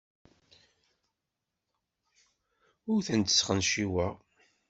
Ur tent-sxenciweɣ.